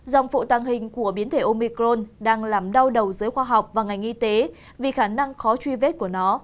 dòng phụ tàng hình của biến thể omicron đang làm đau đầu giới khoa học và ngành y tế vì khả năng khó truy vết của nó